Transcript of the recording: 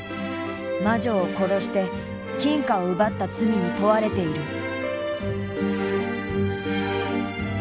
魔女を殺して金貨を奪った罪に問われている。